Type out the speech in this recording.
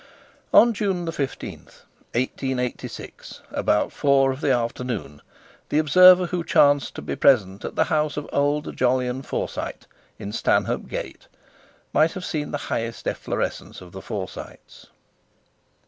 On June 15, eighteen eighty six, about four of the afternoon, the observer who chanced to be present at the house of old Jolyon Forsyte in Stanhope Gate, might have seen the highest efflorescence of the Forsytes.